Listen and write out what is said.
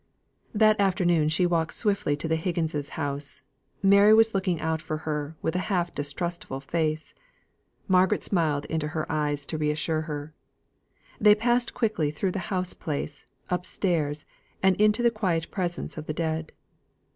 That afternoon she walked swiftly to the Higgins's house. Mary was looking out for her, with a half distrustful face. Margaret smiled into her eyes to re assure her. They passed quickly through the house place, upstairs, and into the quiet presence of the dead.